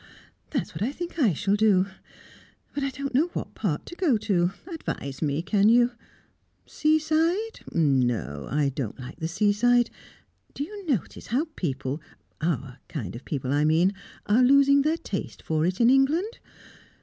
"That's what I think I shall do. But I don't know what part to go to. Advise me, can you? Seaside no; I don't like the seaside. Do you notice how people our kind of people, I mean are losing their taste for it in England?